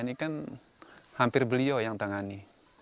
ini kan hampir beliau yang tangani